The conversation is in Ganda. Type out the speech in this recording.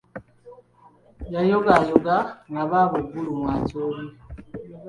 Yogaayoga nga baabo Gulu mu Acholi.